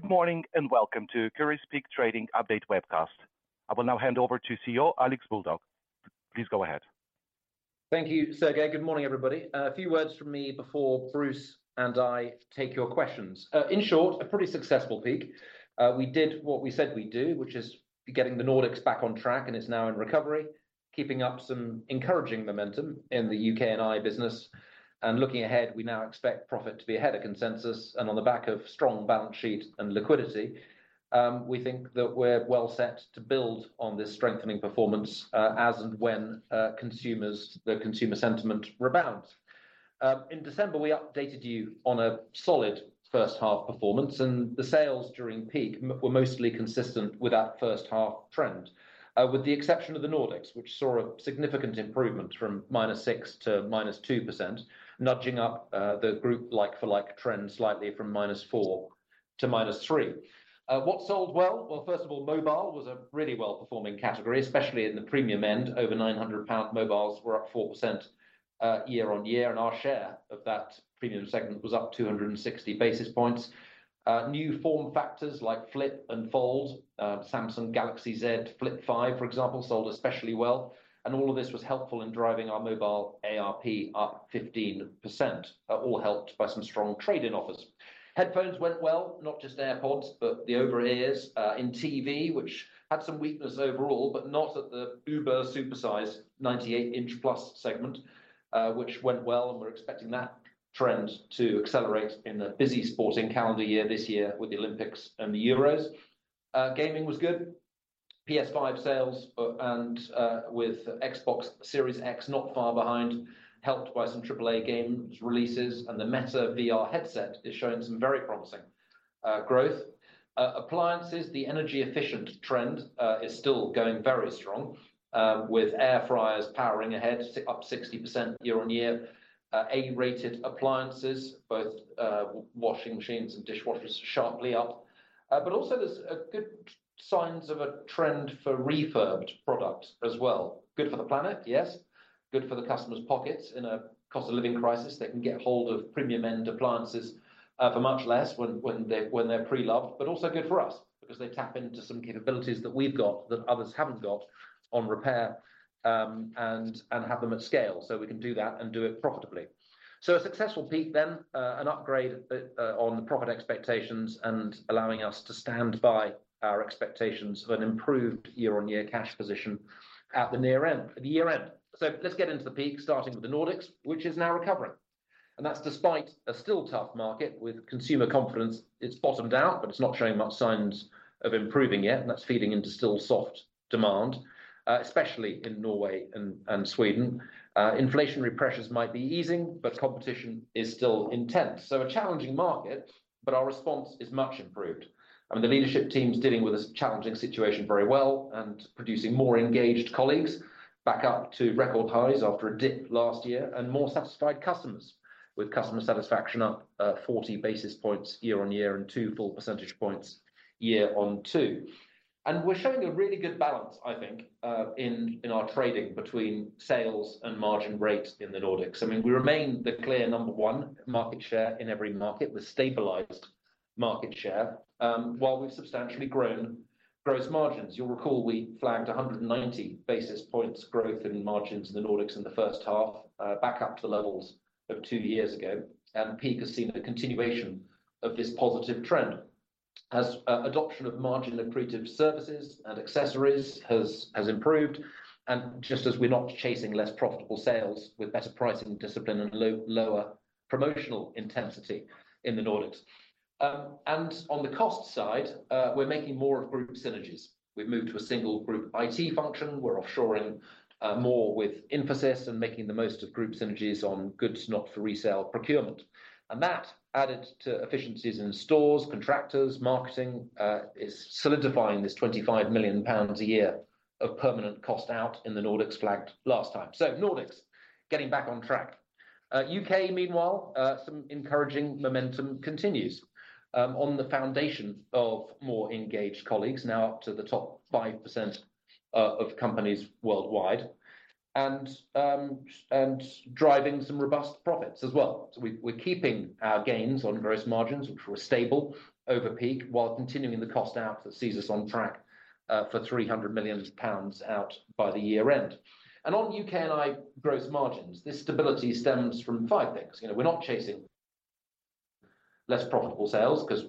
Good morning, and welcome to Currys Peak Trading Update webcast. I will now hand over to CEO, Alex Baldock. Please go ahead. Thank you, Sergei. Good morning, everybody. A few words from me before Bruce and I take your questions. In short, a pretty successful peak. We did what we said we'd do, which is getting the Nordics back on track, and it's now in recovery, keeping up some encouraging momentum in the U.K. and iD business. And looking ahead, we now expect profit to be ahead of consensus, and on the back of strong balance sheet and liquidity, we think that we're well set to build on this strengthening performance, as and when consumer sentiment rebounds. In December, we updated you on a solid first half performance, and the sales during peak were mostly consistent with that first half trend. With the exception of the Nordics, which saw a significant improvement from -6% to -2%, nudging up the group like-for-like trend slightly from -4% to -3%. What sold well? Well, first of all, mobile was a really well-performing category, especially in the premium end. Over £900 mobiles were up 4%, year-on-year, and our share of that premium segment was up 260 basis points. New form factors like Flip and Fold, Samsung Galaxy Z Flip 5, for example, sold especially well, and all of this was helpful in driving our mobile ARP up 15%, all helped by some strong trade-in offers. Headphones went well, not just AirPods, but the over-ears, in TV, which had some weakness overall, but not at the uber super-size 98-inch-plus segment, which went well, and we're expecting that trend to accelerate in the busy sporting calendar year this year with the Olympics and the Euros. Gaming was good. PS5 sales, and, with Xbox Series X not far behind, helped by some AAA games releases, and the Meta VR headset is showing some very promising, growth. Appliances, the energy efficient trend, is still going very strong, with air fryers powering ahead, up 60% year-on-year. A-rated appliances, both, washing machines and dishwashers, sharply up. But also there's a good signs of a trend for refurbed products as well. Good for the planet, yes, good for the customers' pockets. In a cost of living crisis, they can get hold of premium end appliances, for much less when they're pre-loved, but also good for us because they tap into some capabilities that we've got that others haven't got on repair, and have them at scale, so we can do that and do it profitably. So a successful peak then, an upgrade on the profit expectations and allowing us to stand by our expectations of an improved year-on-year cash position at the year end. So let's get into the peak, starting with the Nordics, which is now recovering, and that's despite a still tough market with consumer confidence. It's bottomed out, but it's not showing much signs of improving yet, and that's feeding into still soft demand, especially in Norway and Sweden. Inflationary pressures might be easing, but competition is still intense. So a challenging market, but our response is much improved. I mean, the leadership team's dealing with this challenging situation very well and producing more engaged colleagues back up to record highs after a dip last year, and more satisfied customers, with customer satisfaction up 40 basis points year-on-year and 2 full percentage points, year-on-two. And we're showing a really good balance, I think, in our trading between sales and margin rates in the Nordics. I mean, we remain the clear number one market share in every market, with stabilized market share, while we've substantially grown gross margins. You'll recall we flagged 190 basis points growth in margins in the Nordics in the first half, back up to the levels of two years ago, and peak has seen a continuation of this positive trend. As adoption of margin-accretive services and accessories has improved, and just as we're not chasing less profitable sales with better pricing discipline and lower promotional intensity in the Nordics. And on the cost side, we're making more of group synergies. We've moved to a single group IT function, we're offshoring more with Infosys and making the most of group synergies on goods not for resale procurement. And that, added to efficiencies in stores, contractors, marketing, is solidifying this 25 million pounds a year of permanent cost out in the Nordics flagged last time. So Nordics, getting back on track. U.K., meanwhile, some encouraging momentum continues on the foundation of more engaged colleagues, now up to the top 5% of companies worldwide, and driving some robust profits as well. So we're keeping our gains on various margins, which were stable over peak, while continuing the cost out that sees us on track for 300 million pounds out by the year end. On U.K. and Ireland gross margins, this stability stems from five things. You know, we're not chasing less profitable sales, 'cause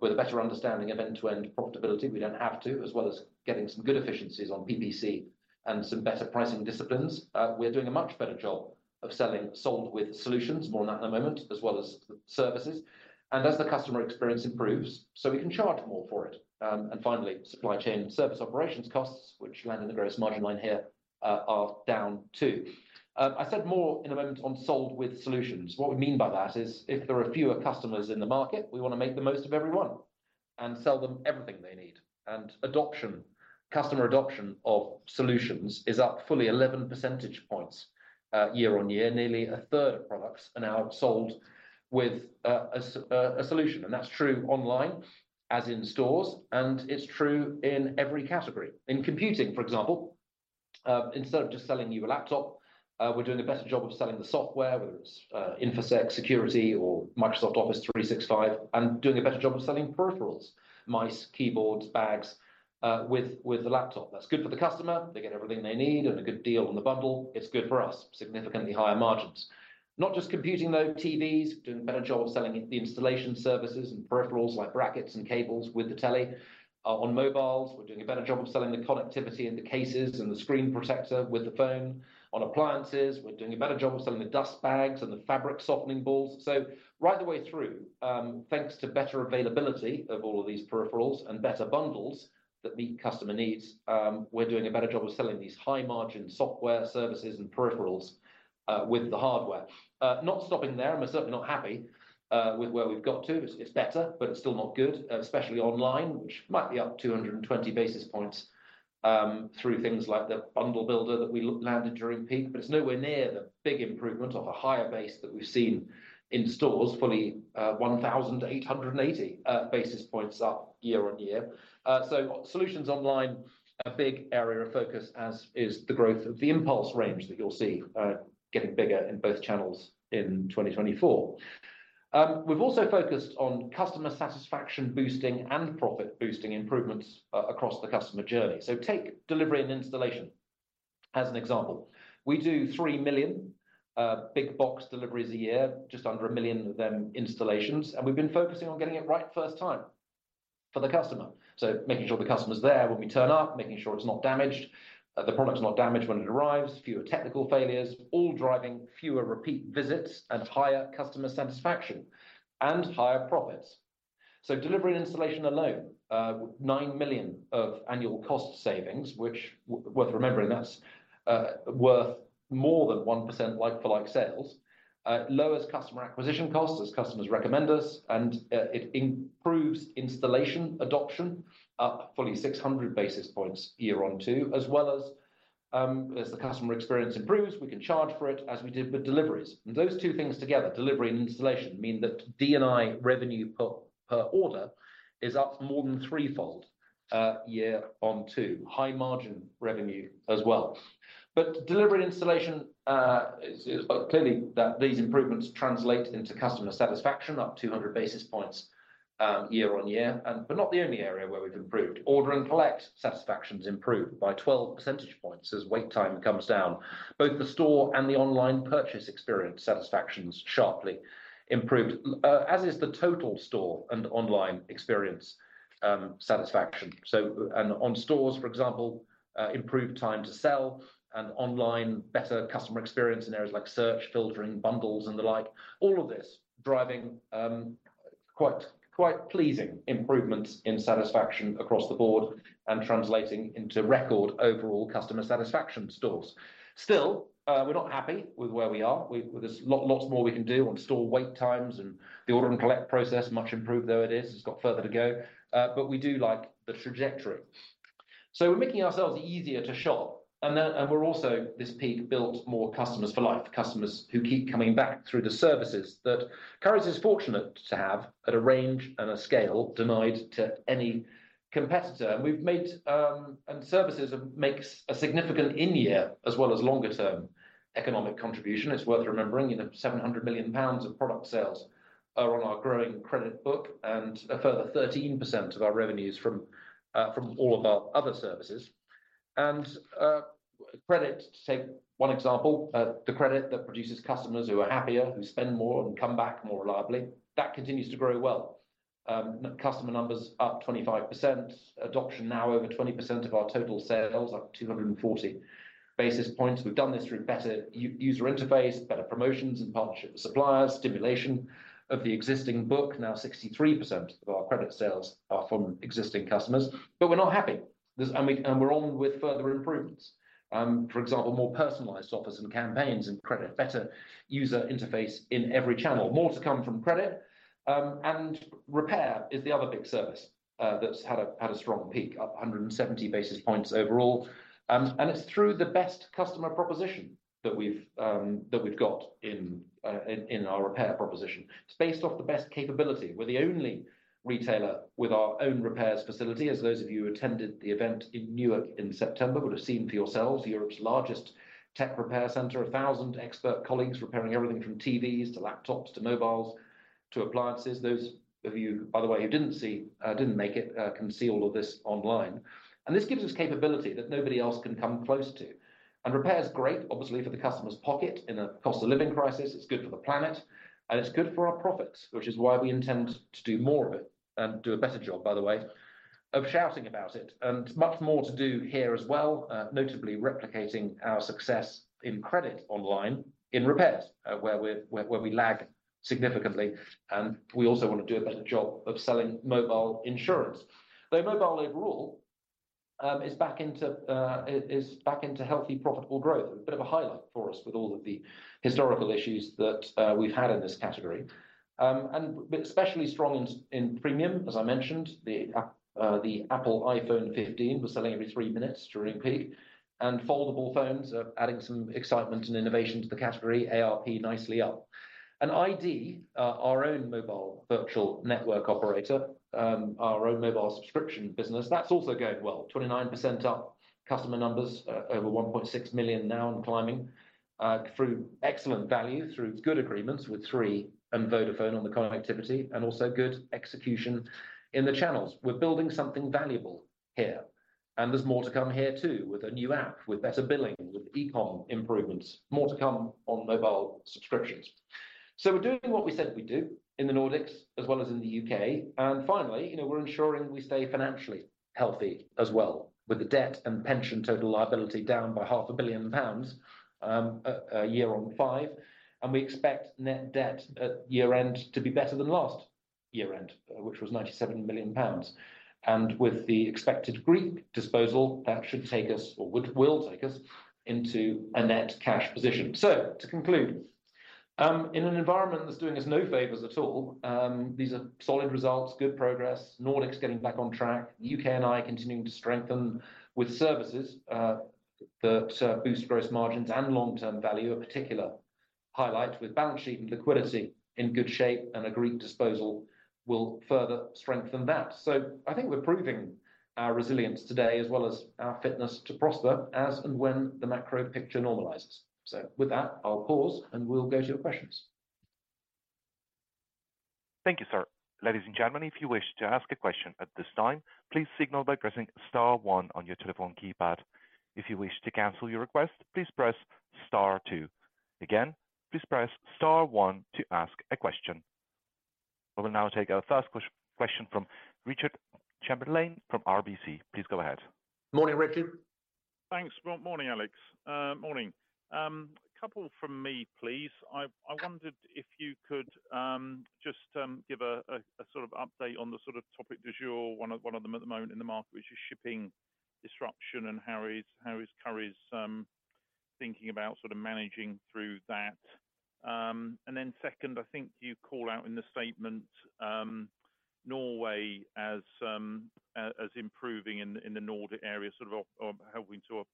with a better understanding of end-to-end profitability, we don't have to, as well as getting some good efficiencies on PPC and some better pricing disciplines. We're doing a much better job of selling sold with solutions, more on that in a moment, as well as services. As the customer experience improves, so we can charge more for it. Finally, supply chain and service operations costs, which land in the various margin line here, are down too. I said more in a moment on sold with solutions. What we mean by that is, if there are fewer customers in the market, we want to make the most of every one and sell them everything they need. Customer adoption of solutions is up fully 11 percentage points, year-on-year. Nearly a third of products are now sold with a solution, and that's true online as in stores, and it's true in every category. In computing, for example... Instead of just selling you a laptop, we're doing a better job of selling the software, whether it's InfoSec security or Microsoft Office 365, and doing a better job of selling peripherals, mice, keyboards, bags, with the laptop. That's good for the customer. They get everything they need and a good deal on the bundle. It's good for us, significantly higher margins. Not just computing though. TVs, doing a better job of selling the installation services and peripherals like brackets and cables with the telly. On mobiles, we're doing a better job of selling the connectivity and the cases, and the screen protector with the phone. On appliances, we're doing a better job of selling the dust bags and the fabric softening balls. So right the way through, thanks to better availability of all of these peripherals and better bundles that meet customer needs, we're doing a better job of selling these high margin software services and peripherals with the hardware. Not stopping there, and we're certainly not happy with where we've got to. It's better, but it's still not good, especially online, which might be up 220 basis points through things like the bundle builder that we landed during peak. But it's nowhere near the big improvement or the higher base that we've seen in stores, fully 1,880 basis points up year-on-year. So solutions online, a big area of focus, as is the growth of the impulse range that you'll see getting bigger in both channels in 2024. We've also focused on customer satisfaction boosting and profit boosting improvements across the customer journey. So take delivery and installation as an example. We do 3 million big box deliveries a year, just under 1 million of them installations, and we've been focusing on getting it right first time for the customer. So making sure the customer's there when we turn up, making sure it's not damaged, the product's not damaged when it arrives, fewer technical failures, all driving fewer repeat visits and higher customer satisfaction and higher profits. So delivery and installation alone, 9 million of annual cost savings, which worth remembering, that's worth more than 1% like-for-like sales. Lowers customer acquisition costs as customers recommend us, and it improves installation adoption, up fully 600 basis points year on year, as well as, as the customer experience improves, we can charge for it as we did with deliveries. And those two things together, delivery and installation, mean that D&I revenue per order is up more than threefold, year on year. High margin revenue as well. But delivery and installation is clearly that these improvements translate into customer satisfaction, up 200 basis points, year on year, and but not the only area where we've improved. Order and collect satisfaction's improved by 12 percentage points as wait time comes down. Both the store and the online purchase experience satisfaction's sharply improved, as is the total store and online experience, satisfaction. On stores, for example, improved time to sell and online better customer experience in areas like search, filtering, bundles and the like. All of this driving quite pleasing improvements in satisfaction across the board and translating into record overall customer satisfaction scores. Still, we're not happy with where we are. There's lots more we can do on store wait times and the order and collect process, much improved though it is. It's got further to go. But we do like the trajectory. So we're making ourselves easier to shop, and then and we're also, this peak, built more customers for life, customers who keep coming back through the services that Currys is fortunate to have at a range and a scale denied to any competitor. We've made and services makes a significant in-year as well as longer term economic contribution. It's worth remembering, you know, 700 million pounds of product sales are on our growing credit book and a further 13% of our revenue is from all of our other services. And, credit, to take one example, the credit that produces customers who are happier, who spend more and come back more reliably, that continues to grow well. Customer numbers up 25%. Adoption now over 20% of our total sales, up 240 basis points. We've done this through better user interface, better promotions and partnership with suppliers, stimulation of the existing book. Now 63% of our credit sales are from existing customers, but we're not happy, and we're on with further improvements. For example, more personalized offers and campaigns and credit, better user interface in every channel. More to come from credit, and repair is the other big service that's had a strong peak, up 170 basis points overall. And it's through the best customer proposition that we've got in our repair proposition. It's based off the best capability. We're the only retailer with our own repairs facility, as those of you who attended the event in Newark in September would have seen for yourselves, Europe's largest tech repair center. 1,000 expert colleagues repairing everything from TVs, to laptops, to mobiles, to appliances. Those of you, by the way, who didn't make it can see all of this online. And this gives us capability that nobody else can come close to. Repair is great, obviously, for the customer's pocket in a cost of living crisis. It's good for the planet, and it's good for our profits, which is why we intend to do more of it and do a better job, by the way, of shouting about it. And much more to do here as well, notably replicating our success in credit online, in repairs, where we lag significantly, and we also want to do a better job of selling mobile insurance. Though mobile overall is back into healthy, profitable growth. A bit of a highlight for us with all of the historical issues that we've had in this category. But especially strong in premium, as I mentioned, the Apple iPhone 15 was selling every three minutes during peak, and foldable phones are adding some excitement and innovation to the category. ARP nicely up. And iD, our own mobile virtual network operator, our own mobile subscription business, that's also going well, 29% up. Customer numbers over 1.6 million now and climbing, through excellent value, through good agreements with Three and Vodafone on the connectivity, and also good execution in the channels. We're building something valuable here... And there's more to come here, too, with a new app, with better billing, with e-com improvements. More to come on mobile subscriptions. So we're doing what we said we'd do in the Nordics as well as in the UK. Finally, you know, we're ensuring we stay financially healthy as well, with the debt and pension total liability down by GBP 500 million a year-on-year, and we expect net debt at year-end to be better than last year-end, which was 97 million pounds. With the expected Greek disposal, that should take us or will take us into a net cash position. To conclude, in an environment that's doing us no favors at all, these are solid results, good progress, Nordics getting back on track, UK and Ireland continuing to strengthen with services that boost gross margins and long-term value, a particular highlight, with balance sheet and liquidity in good shape and a Greek disposal will further strengthen that. So I think we're proving our resilience today as well as our fitness to prosper as and when the macro picture normalizes. So with that, I'll pause, and we'll go to your questions. Thank you, sir. Ladies and gentlemen, if you wish to ask a question at this time, please signal by pressing star one on your telephone keypad. If you wish to cancel your request, please press star two. Again, please press star one to ask a question. I will now take our first question from Richard Chamberlain from RBC. Please go ahead. Morning, Richard. Thanks. Well, morning, Alex. Morning. A couple from me, please. I wondered if you could just give a sort of update on the sort of topic du jour, one of them at the moment in the market, which is shipping disruption and how is Currys thinking about sort of managing through that? And then second, I think you call out in the statement Norway as improving in the Nordic area, sort of helping to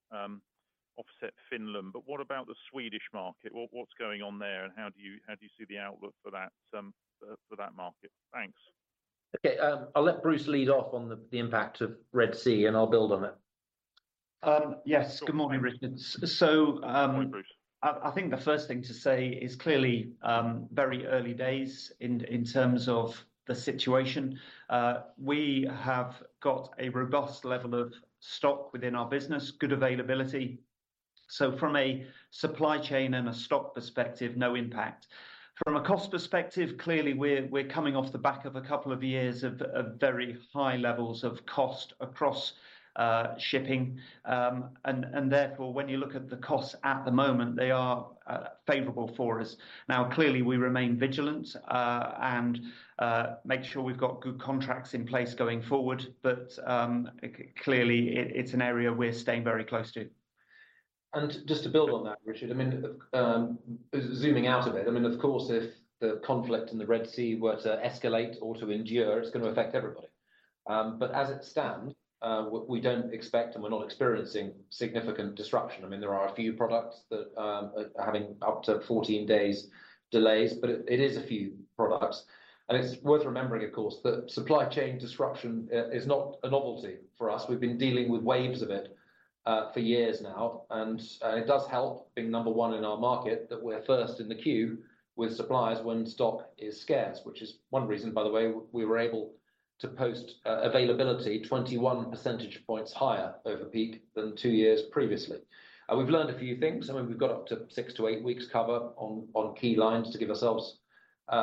offset Finland. But what about the Swedish market? What's going on there, and how do you see the outlook for that market? Thanks. Okay, I'll let Bruce lead off on the impact of Red Sea, and I'll build on it. Yes. Good morning, Richard. So, Morning, Bruce. I think the first thing to say is clearly very early days in terms of the situation. We have got a robust level of stock within our business, good availability, so from a supply chain and a stock perspective, no impact. From a cost perspective, clearly, we're coming off the back of a couple of years of very high levels of cost across shipping. And therefore, when you look at the costs at the moment, they are favorable for us. Now, clearly, we remain vigilant and make sure we've got good contracts in place going forward, but clearly, it's an area we're staying very close to. And just to build on that, Richard, I mean, zooming out a bit, I mean, of course, if the conflict in the Red Sea were to escalate or to endure, it's going to affect everybody. But as it stands, we don't expect, and we're not experiencing significant disruption. I mean, there are a few products that are having up to 14 days delays, but it is a few products. And it's worth remembering, of course, that supply chain disruption is not a novelty for us. We've been dealing with waves of it for years now, and it does help being number one in our market, that we're first in the queue with suppliers when stock is scarce, which is one reason, by the way, we were able to post availability 21 percentage points higher over peak than two years previously. We've learned a few things. I mean, we've got up to 6-8 weeks cover on key lines to give ourselves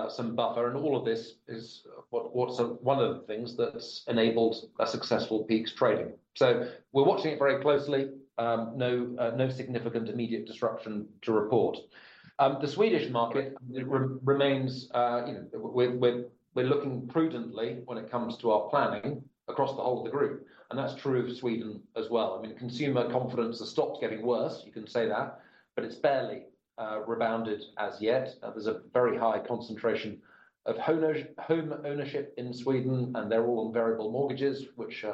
some buffer. And all of this is one of the things that's enabled a successful peak trading. So we're watching it very closely. No significant immediate disruption to report. The Swedish market remains, you know, we're looking prudently when it comes to our planning across the whole of the group, and that's true of Sweden as well. I mean, consumer confidence has stopped getting worse, you can say that, but it's barely rebounded as yet. There's a very high concentration of home ownership in Sweden, and they're all variable mortgages, which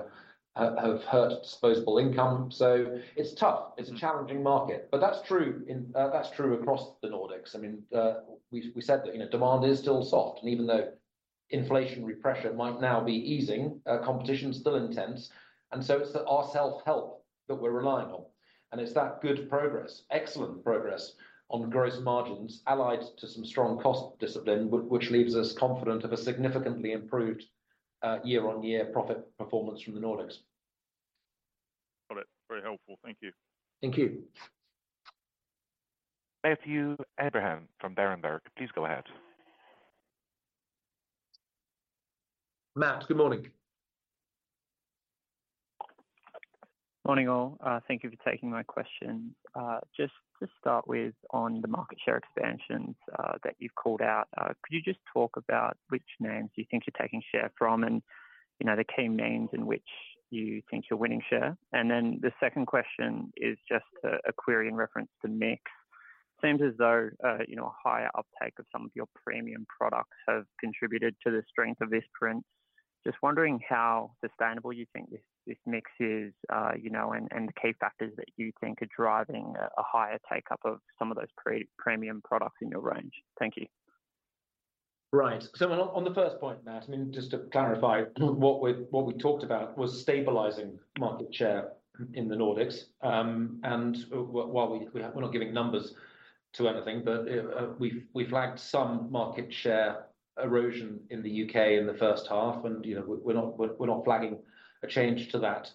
have hurt disposable income. So it's tough. It's a challenging market, but that's true across the Nordics. I mean, we said that, you know, demand is still soft, and even though inflationary pressure might now be easing, competition is still intense, and so it's our self-help that we're relying on. And it's that good progress, excellent progress on gross margins, allied to some strong cost discipline, which leaves us confident of a significantly improved year-on-year profit performance from the Nordics. Got it. Very helpful. Thank you. Thank you. Matthew Abraham from Berenberg, please go ahead. Matt, good morning. Morning, all. Thank you for taking my question. Just to start with, on the market share expansions, that you've called out, could you just talk about which names you think you're taking share from and, you know, the key names in which you think you're winning share? Then the second question is just a query in reference to mix. Seems as though, you know, a higher uptake of some of your premium products have contributed to the strength of this trend. Just wondering how sustainable you think this mix is, you know, and the key factors that you think are driving a higher take-up of some of those premium products in your range. Thank you. Right. On the first point, Matt, I mean, just to clarify, what we talked about was stabilizing market share.... in the Nordics. While we, we're not giving numbers to anything, but, we've flagged some market share erosion in the U.K. in the first half, and, you know, we're not flagging a change to that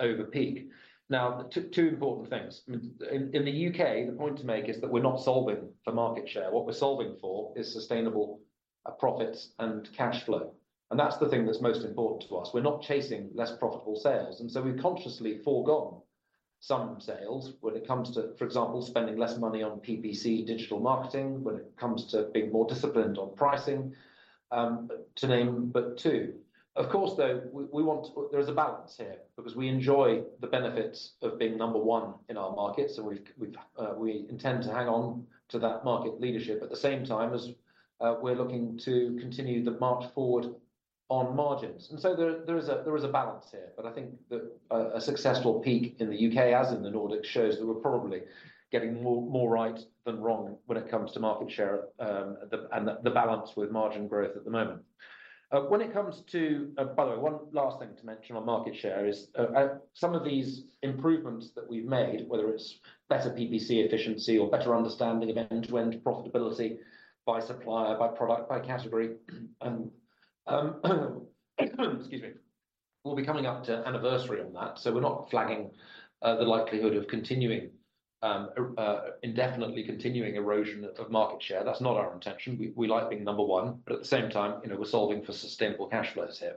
over peak. Now, two important things. I mean, in the U.K., the point to make is that we're not solving for market share. What we're solving for is sustainable profits and cash flow, and that's the thing that's most important to us. We're not chasing less profitable sales, and so we've consciously forgone some sales when it comes to, for example, spending less money on PPC digital marketing, when it comes to being more disciplined on pricing, to name but two. Of course, though, we want to. There is a balance here because we enjoy the benefits of being number one in our markets, and we intend to hang on to that market leadership. At the same time as we're looking to continue the march forward on margins. And so there is a balance here, but I think that a successful peak in the U.K., as in the Nordics, shows that we're probably getting more right than wrong when it comes to market share and the balance with margin growth at the moment. When it comes to... By the way, one last thing to mention on market share is some of these improvements that we've made, whether it's better PPC efficiency or better understanding of end-to-end profitability by supplier, by product, by category. Excuse me. We'll be coming up to anniversary on that, so we're not flagging the likelihood of continuing indefinitely erosion of market share. That's not our intention. We like being number one, but at the same time, you know, we're solving for sustainable cash flows here.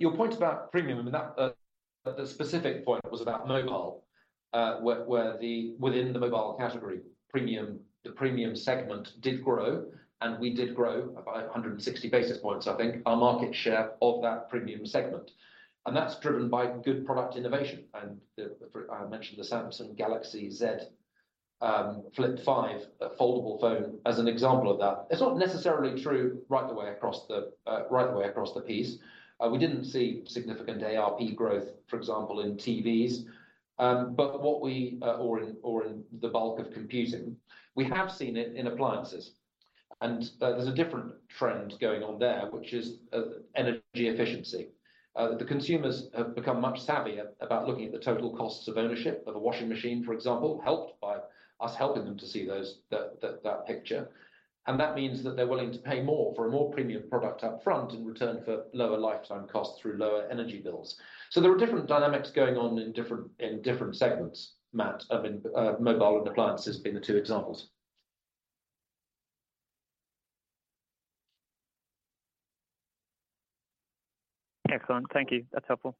Your point about premium, I mean, that the specific point was about mobile, where the within the mobile category, premium, the premium segment did grow, and we did grow by 160 basis points, I think, our market share of that premium segment. That's driven by good product innovation, and I mentioned the Samsung Galaxy Z Flip 5, a foldable phone, as an example of that. It's not necessarily true right the way across the piece. We didn't see significant ARP growth, for example, in TVs or in the bulk of computing. We have seen it in appliances, and there's a different trend going on there, which is energy efficiency. The consumers have become much savvier about looking at the total costs of ownership of a washing machine, for example, helped by us helping them to see that picture. And that means that they're willing to pay more for a more premium product up front in return for lower lifetime costs through lower energy bills. So there are different dynamics going on in different segments, Matt. I mean, mobile and appliances being the two examples. Excellent. Thank you. That's helpful.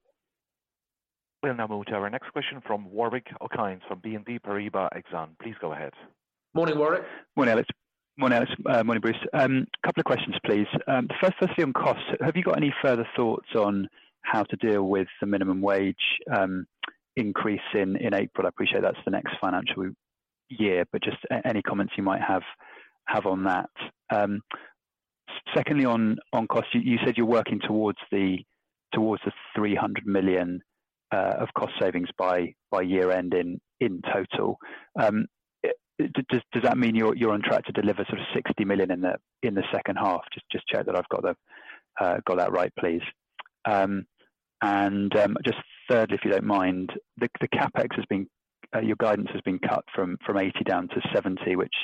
We'll now move to our next question from Warwick Okines from BNP Paribas Exane. Please go ahead. Morning, Warwick. Morning, Alex. Morning, Alex, morning, Bruce. Couple of questions, please. First, firstly on costs. Have you got any further thoughts on how to deal with the minimum wage increase in April? I appreciate that's the next financial year, but just any comments you might have on that. Secondly, on costs, you said you're working towards the 300 million of cost savings by year-end in total. Does that mean you're on track to deliver sort of 60 million in the second half? Just check that I've got that right, please. Just third, if you don't mind, the CapEx has been... Your guidance has been cut from 80 down to 70, which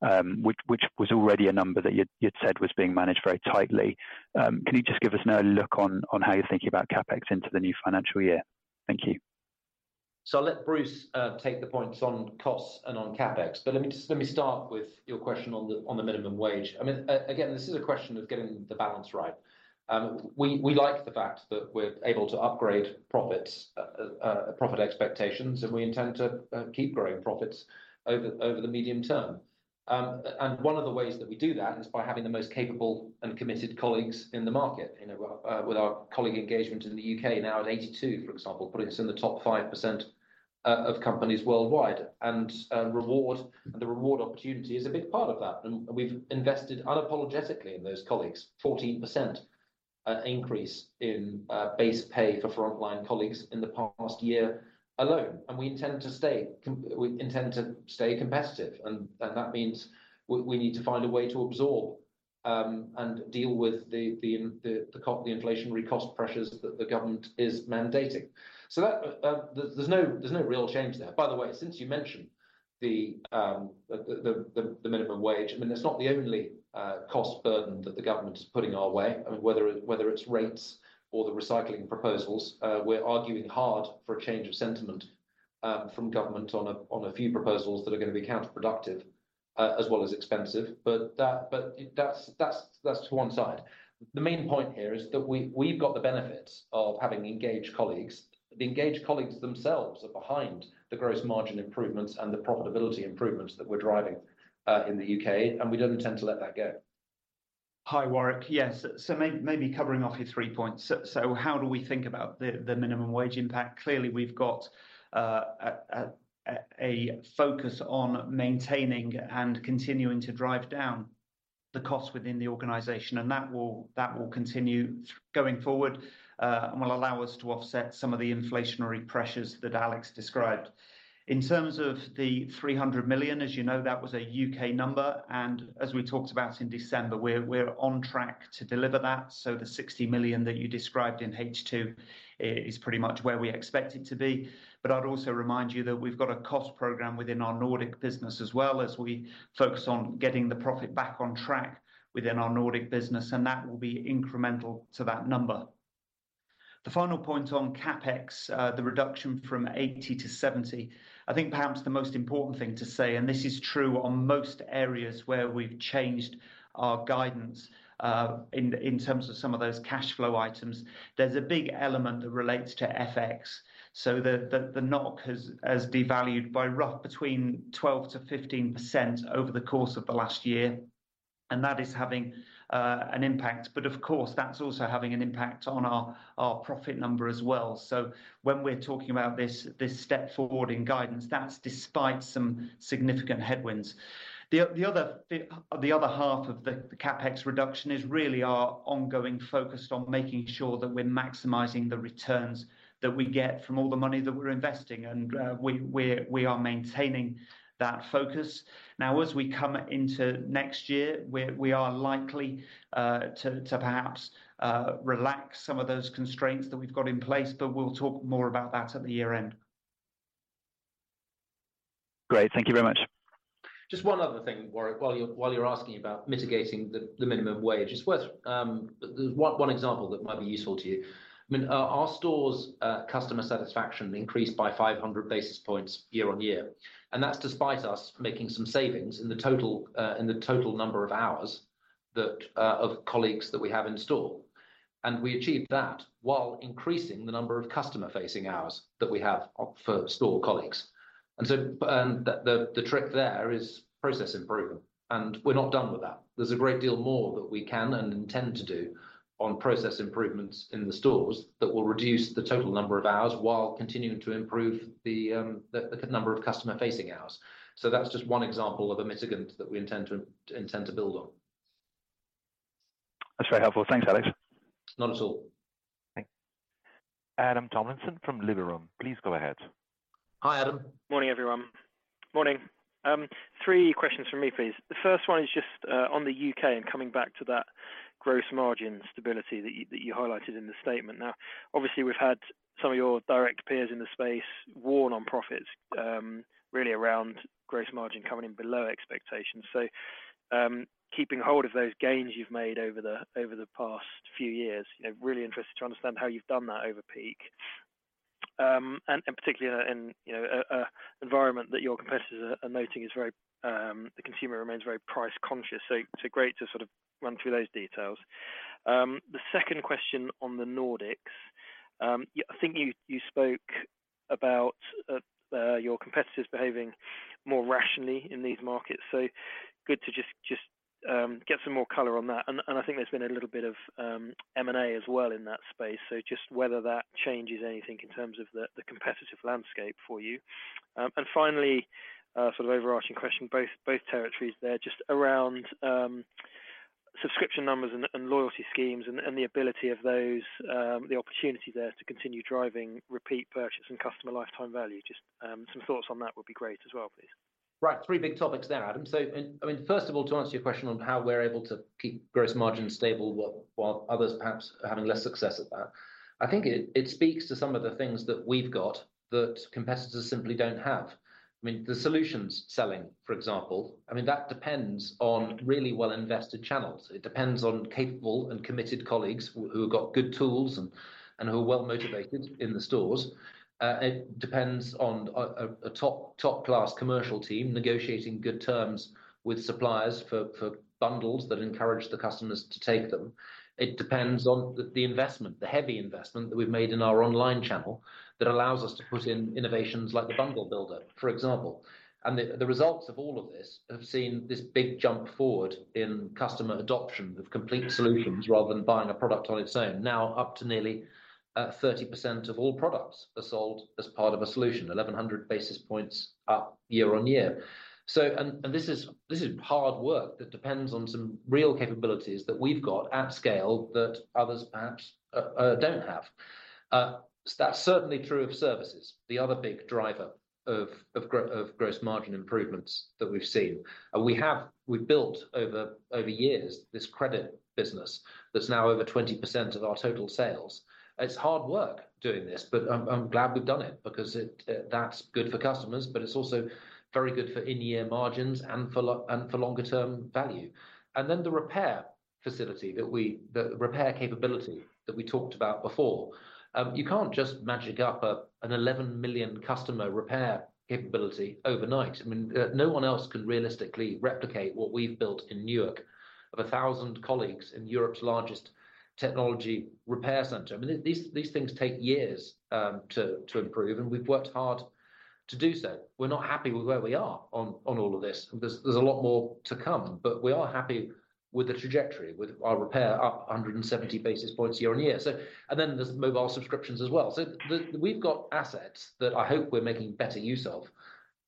was already a number that you'd said was being managed very tightly. Can you just give us an early look on how you're thinking about CapEx into the new financial year? Thank you. So I'll let Bruce take the points on costs and on CapEx, but let me just, let me start with your question on the, on the minimum wage. I mean, again, this is a question of getting the balance right. We like the fact that we're able to upgrade profits, profit expectations, and we intend to keep growing profits over the medium term. And one of the ways that we do that is by having the most capable and committed colleagues in the market, you know, with our colleague engagement in the UK now at 82, for example, putting us in the top 5% of companies worldwide. And reward, and the reward opportunity is a big part of that, and we've invested unapologetically in those colleagues. 14% increase in base pay for frontline colleagues in the past year alone, and we intend to stay competitive, and that means we need to find a way to absorb and deal with the cost, the inflationary cost pressures that the government is mandating. So that, there's no real change there. By the way, since you mentioned the minimum wage, I mean, that's not the only cost burden that the government is putting our way. I mean, whether it's rates or the recycling proposals, we're arguing hard for a change of sentiment from government on a few proposals that are going to be counterproductive, as well as expensive. But that's to one side. The main point here is that we've got the benefits of having engaged colleagues. The engaged colleagues themselves are behind the gross margin improvements and the profitability improvements that we're driving in the U.K., and we don't intend to let that go. Hi, Warwick. Yes, so maybe covering off your three points. So, how do we think about the minimum wage impact? Clearly, we've got a focus on maintaining and continuing to drive down-... the cost within the organization, and that will, that will continue going forward, and will allow us to offset some of the inflationary pressures that Alex described. In terms of the 300 million, as you know, that was a U.K. number, and as we talked about in December, we're, we're on track to deliver that. So the 60 million that you described in H2 is pretty much where we expect it to be. But I'd also remind you that we've got a cost program within our Nordic business as well as we focus on getting the profit back on track within our Nordic business, and that will be incremental to that number. The final point on CapEx, the reduction from 80-70, I think perhaps the most important thing to say, and this is true on most areas where we've changed our guidance, in terms of some of those cash flow items. There's a big element that relates to FX. So the NOK has devalued by roughly between 12%-15% over the course of the last year, and that is having an impact. But of course, that's also having an impact on our profit number as well. So when we're talking about this step forward in guidance, that's despite some significant headwinds. The other half of the CapEx reduction is really our ongoing focus on making sure that we're maximizing the returns that we get from all the money that we're investing, and we are maintaining that focus. Now, as we come into next year, we are likely to perhaps relax some of those constraints that we've got in place, but we'll talk more about that at the year-end. Great, thank you very much. Just one other thing, Warwick, while you're asking about mitigating the minimum wage. It's worth one example that might be useful to you. I mean, our stores customer satisfaction increased by 500 basis points year-on-year, and that's despite us making some savings in the total number of hours of colleagues that we have in store. We achieved that while increasing the number of customer-facing hours that we have for store colleagues. But the trick there is process improvement, and we're not done with that. There's a great deal more that we can and intend to do on process improvements in the stores that will reduce the total number of hours, while continuing to improve the number of customer-facing hours. So that's just one example of a mitigant that we intend to build on. That's very helpful. Thanks, Alex. Not at all. Thanks. Adam Tomlinson from Liberum, please go ahead. Hi, Adam. Morning, everyone. Morning. Three questions from me, please. The first one is just on the U.K. and coming back to that gross margin stability that you, that you highlighted in the statement. Now, obviously, we've had some of your direct peers in the space warn on profits, really around gross margin coming in below expectations. So, keeping hold of those gains you've made over the past few years, you know, really interested to understand how you've done that over peak. And particularly in, you know, a environment that your competitors are noting is very... the consumer remains very price conscious, so great to sort of run through those details. The second question on the Nordics. Yeah, I think you spoke about your competitors behaving more rationally in these markets, so good to just get some more color on that. And I think there's been a little bit of M&A as well in that space, so just whether that changes anything in terms of the competitive landscape for you. And finally, sort of overarching question, both territories there, just around subscription numbers and loyalty schemes and the ability of those, the opportunity there to continue driving repeat purchase and customer lifetime value. Just some thoughts on that would be great as well, please. Right. Three big topics there, Adam. So, I mean, first of all, to answer your question on how we're able to keep gross margins stable while others perhaps are having less success at that. I think it speaks to some of the things that we've got that competitors simply don't have. I mean, the solutions selling, for example, I mean, that depends on really well-invested channels. It depends on capable and committed colleagues who have got good tools and who are well-motivated in the stores. It depends on a top-class commercial team negotiating good terms with suppliers for bundles that encourage the customers to take them. It depends on the investment, the heavy investment that we've made in our online channel that allows us to put in innovations like the bundle builder, for example. And the results of all of this have seen this big jump forward in customer adoption of complete solutions rather than buying a product on its own. Now, up to nearly 30% of all products are sold as part of a solution, 1,100 basis points up year-on-year. So, this is hard work that depends on some real capabilities that we've got at scale that others perhaps don't have. That's certainly true of services, the other big driver of gross margin improvements that we've seen. And we have built over years this credit business that's now over 20% of our total sales. It's hard work doing this, but I'm glad we've done it because it... That's good for customers, but it's also very good for in-year margins and for longer-term value. Then the repair capability that we talked about before. You can't just magic up a 11 million customer repair capability overnight. I mean, no one else can realistically replicate what we've built in Newark of 1,000 colleagues in Europe's largest technology repair center. I mean, these things take years to improve, and we've worked hard to do so. We're not happy with where we are on all of this. There's a lot more to come, but we are happy with the trajectory, with our repair up 170 basis points year-on-year. So, then there's mobile subscriptions as well. So we've got assets that I hope we're making better use of-...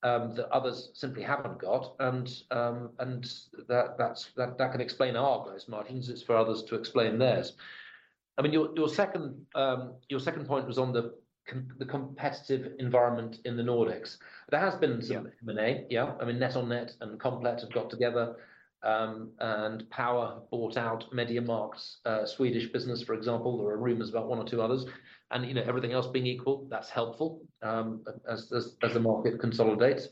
that others simply haven't got, and that, that's, that can explain our gross margins. It's for others to explain theirs. I mean, your second point was on the competitive environment in the Nordics. There has been some- Yeah. M&A. Yeah, I mean, NetOnNet and Komplett have got together, and Power bought out MediaMarkt's Swedish business, for example. There are rumors about one or two others, and, you know, everything else being equal, that's helpful, as the market consolidates.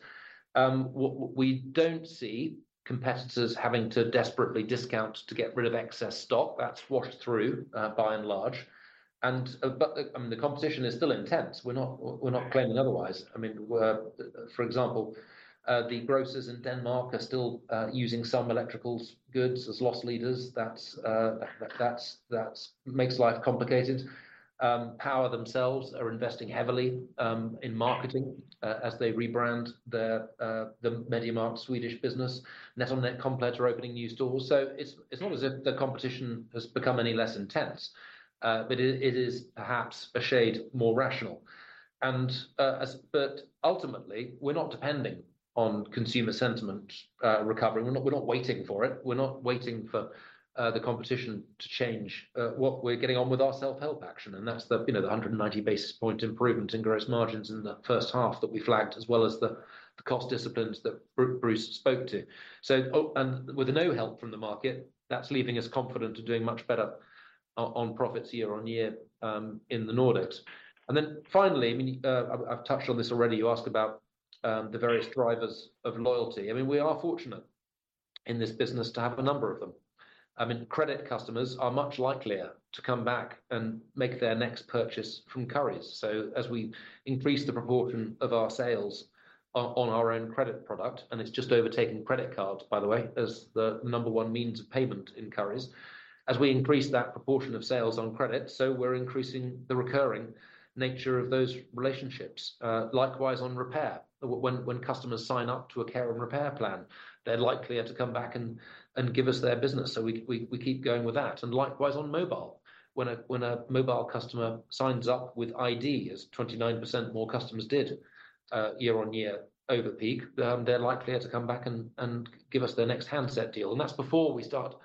What we don't see competitors having to desperately discount to get rid of excess stock, that's washed through, by and large. But the, I mean, the competition is still intense. We're not, we're not claiming otherwise. I mean, we're for example, the grocers in Denmark are still using some electrical goods as loss leaders. That's makes life complicated. Power themselves are investing heavily in marketing as they rebrand their the MediaMarkt Swedish business. NetOnNet, Komplett are opening new stores. So it's not as if the competition has become any less intense, but it is perhaps a shade more rational. But ultimately, we're not depending on consumer sentiment recovering. We're not waiting for it. We're not waiting for the competition to change. What we're getting on with is our self-help action, and that's the, you know, the 190 basis point improvement in gross margins in the first half that we flagged, as well as the cost disciplines that Bruce spoke to. So, with no help from the market, that's leaving us confident to doing much better on profits year on year in the Nordics. And then finally, I mean, I've touched on this already. You asked about the various drivers of loyalty. I mean, we are fortunate in this business to have a number of them. I mean, credit customers are much likelier to come back and make their next purchase from Currys. So as we increase the proportion of our sales on our own credit product, and it's just overtaking credit cards, by the way, as the number one means of payment in Currys. As we increase that proportion of sales on credit, so we're increasing the recurring nature of those relationships. Likewise, on repair, when customers sign up to a Care & Repair plan, they're likelier to come back and give us their business. So we keep going with that, and likewise on mobile. When a mobile customer signs up with iD, as 29% more customers did year-on-year over peak, they're likelier to come back and give us their next handset deal. And that's before we start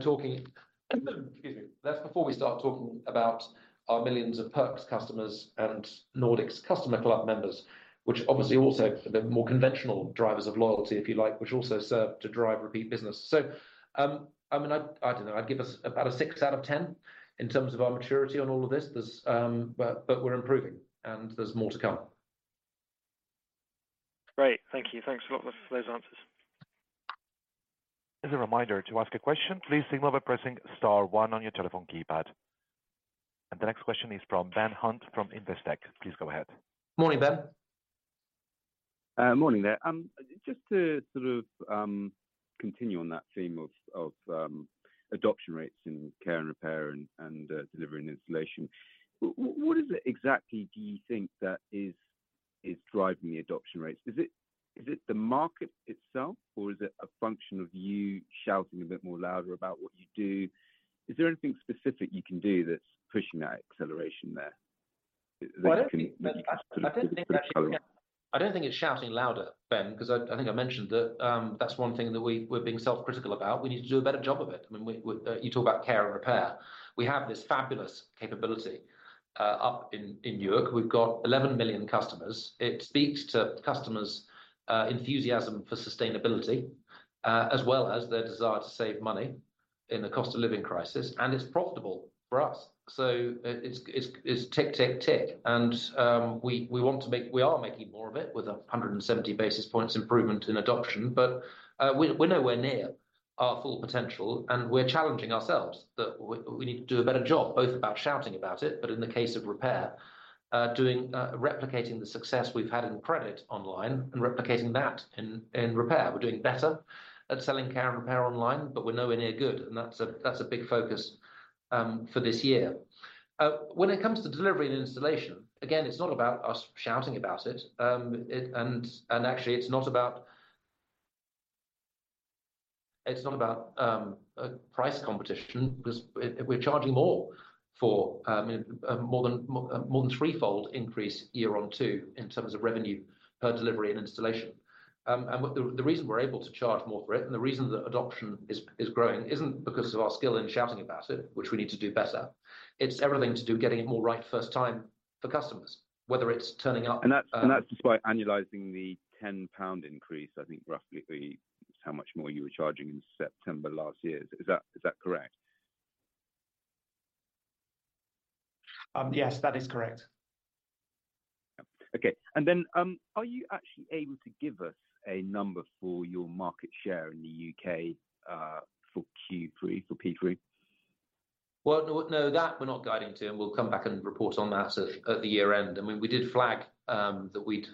talking— Excuse me. That's before we start talking about our millions of Perks customers and Nordics Customer Club members, which obviously also the more conventional drivers of loyalty, if you like, which also serve to drive repeat business. So, I mean, I don't know. I'd give us about a 6 out of 10 in terms of our maturity on all of this. There's... but we're improving, and there's more to come. Great. Thank you. Thanks a lot for those answers. As a reminder, to ask a question, please signal by pressing star one on your telephone keypad. The next question is from Ben Hunt from Investec. Please go ahead. Morning, Ben. Morning there. Just to sort of continue on that theme of adoption rates in Care & Repair and delivery and installation. What is it exactly, do you think, that is driving the adoption rates? Is it the market itself, or is it a function of you shouting a bit more louder about what you do? Is there anything specific you can do that's pushing that acceleration there? Well, I don't think- That you sort of- I don't think it's shouting louder, Ben, 'cause I think I mentioned that, that's one thing that we're being self-critical about. We need to do a better job of it. I mean, you talk about Care and repair. We have this fabulous capability up in Europe. We've got 11 million customers. It speaks to customers' enthusiasm for sustainability as well as their desire to save money in the cost of living crisis, and it's profitable for us. So, it's tick, tick, tick, and we want to make—we are making more of it with 170 basis points improvement in adoption, but we're nowhere near our full potential, and we're challenging ourselves that we need to do a better job, both about shouting about it, but in the case of repair, doing replicating the success we've had in credit online and replicating that in repair. We're doing better at selling Care & Repair online, but we're nowhere near good, and that's a big focus for this year. When it comes to delivery and installation, again, it's not about us shouting about it. It... Actually, it's not about a price competition because we're charging more for more than threefold increase year-on-year in terms of revenue per delivery and installation. And what the reason we're able to charge more for it, and the reason that adoption is growing, isn't because of our skill in shouting about it, which we need to do better. It's everything to do with getting it more right first time for customers, whether it's turning up- That's by annualizing the 10 pound increase, I think, roughly how much more you were charging in September last year. Is that correct? Yes, that is correct. Okay. And then, are you actually able to give us a number for your market share in the U.K., for Q3, for P3? Well, no, no, that we're not guiding to, and we'll come back and report on that at the year-end. I mean, we did flag that we'd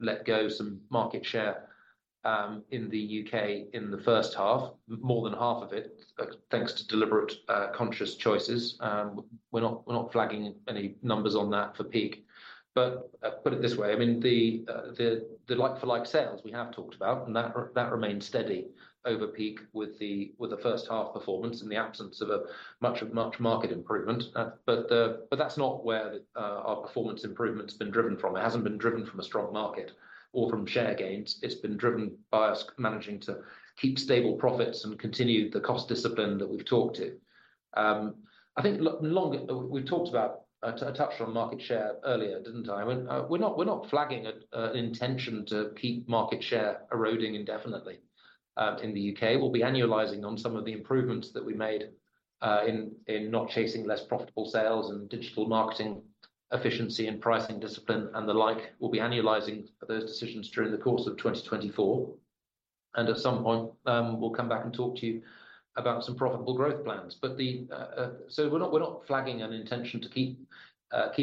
let go some market share in the U.K. in the first half, more than half of it, thanks to deliberate conscious choices. We're not flagging any numbers on that for peak. But put it this way, I mean, the like-for-like sales we have talked about, and that remains steady over peak with the first half performance in the absence of a much market improvement. But that's not where our performance improvement's been driven from. It hasn't been driven from a strong market or from share gains. It's been driven by us managing to keep stable profits and continue the cost discipline that we've talked to. I think long we've talked about, I touched on market share earlier, didn't I? And we're not, we're not flagging an intention to keep market share eroding indefinitely in the U.K. We'll be annualizing on some of the improvements that we made in not chasing less profitable sales and digital marketing efficiency and pricing discipline and the like. We'll be annualizing those decisions during the course of 2024, and at some point, we'll come back and talk to you about some profitable growth plans. So we're not flagging an intention to keep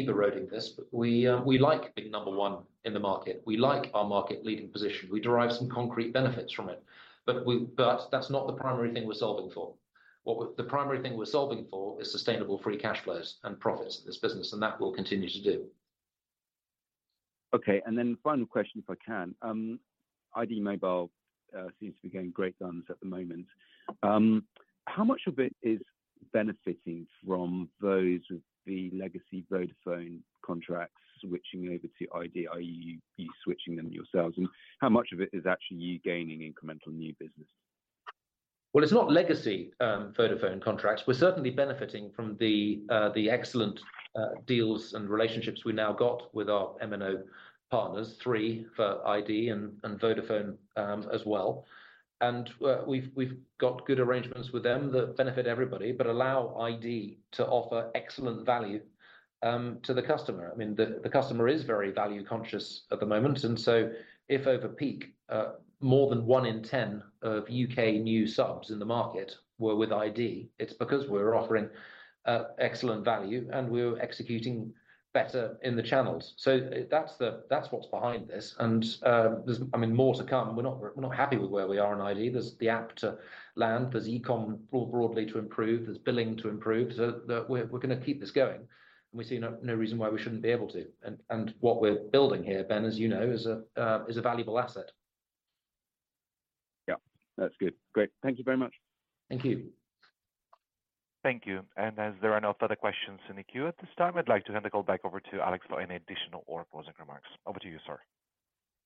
eroding this, but we like being number one in the market. We like our market leading position. We derive some concrete benefits from it, but that's not the primary thing we're solving for. The primary thing we're solving for is sustainable free cash flows and profits in this business, and that we'll continue to do. Okay, and then final question, if I can. iD Mobile seems to be going great guns at the moment. How much of it is benefiting from those with the legacy Vodafone contracts switching over to iD, i.e., you switching them yourselves, and how much of it is actually you gaining incremental new business? Well, it's not legacy, Vodafone contracts. We're certainly benefiting from the excellent deals and relationships we now got with our MNO partners, Three for iD and Vodafone, as well. And we've got good arrangements with them that benefit everybody, but allow iD to offer excellent value to the customer. I mean, the customer is very value conscious at the moment, and so if over peak, more than one in ten of U.K. new subs in the market were with iD, it's because we're offering excellent value, and we're executing better in the channels. So that's the- that's what's behind this, and there's, I mean, more to come. We're not happy with where we are in iD. There's the app to land, there's e-com more broadly to improve, there's billing to improve, so we're gonna keep this going, and we see no reason why we shouldn't be able to. And what we're building here, Ben, as you know, is a valuable asset. Yeah, that's good. Great. Thank you very much. Thank you. Thank you. As there are no further questions in the queue at this time, I'd like to hand the call back over to Alex for any additional or closing remarks. Over to you, sir.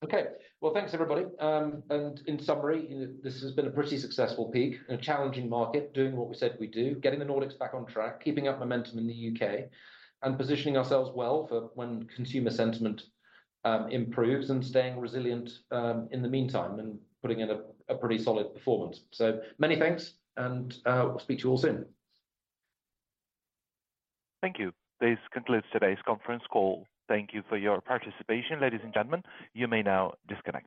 Okay. Well, thanks, everybody. And in summary, this has been a pretty successful peak in a challenging market, doing what we said we'd do, getting the Nordics back on track, keeping up momentum in the U.K., and positioning ourselves well for when consumer sentiment improves and staying resilient in the meantime and putting in a pretty solid performance. So many thanks, and we'll speak to you all soon. Thank you. This concludes today's conference call. Thank you for your participation, ladies and gentlemen. You may now disconnect.